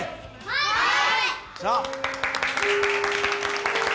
はい！